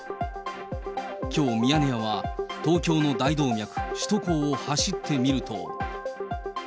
きょう、ミヤネ屋は東京の大動脈、首都高を走ってみると。